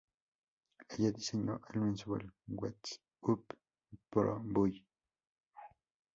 Ella diseñó el mensual "What's Up, Pro Buy!